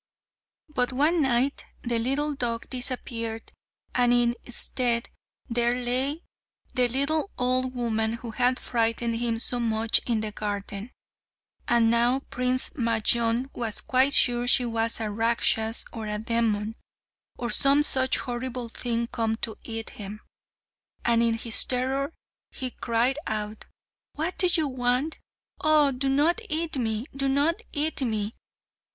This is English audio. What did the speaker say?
But one night the little dog disappeared, and in its stead there lay the little old woman who had frightened him so much in the garden; and now Prince Majnun was quite sure she was a Rakshas, or a demon, or some such horrible thing come to eat him; and in his terror he cried out, "What do you want? Oh, do not eat me; do not eat me!"